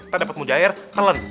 tak dapat muja air pelan